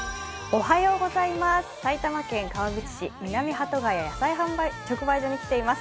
埼玉県川口市南鳩ヶ谷野菜直売所に来ています。